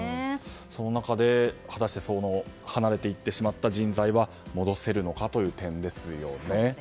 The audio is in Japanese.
その中で、果たして離れていってしまった人材は戻せるのかという点ですよね。